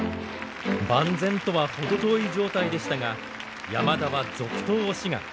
万全とは程遠い状態でしたが山田は続投を志願。